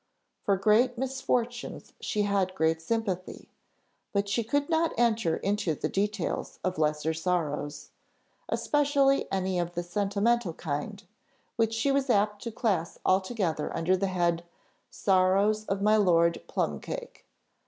For great misfortunes she had great sympathy, but she could not enter into the details of lesser sorrows, especially any of the sentimental kind, which she was apt to class altogether under the head "Sorrows of my Lord Plumcake!"